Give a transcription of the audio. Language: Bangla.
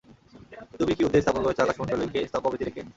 তুমিই কি ঊর্ধ্বে স্থাপন করেছ আকাশমণ্ডলীকে স্তম্ভ ব্যতিরেকে?